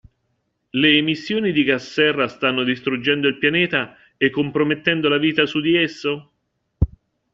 Le emissioni di gas serra stanno distruggendo il pianeta e compromettendo la vita su di esso?